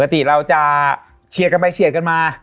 ติเราจะเชียร์กันไปเฉียดกันมา